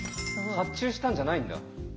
発注したんじゃないんだ。